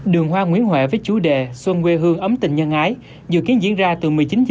đường hoa nguyễn huệ với chủ đề xuân quê hương ấm tình nhân ái dự kiến diễn ra từ một mươi chín h